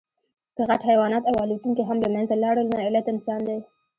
که غټ حیوانات او الوتونکي هم له منځه لاړل، نو علت انسان دی.